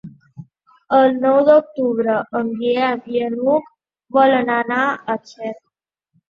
El nou d'octubre en Guillem i n'Hug volen anar a Xert.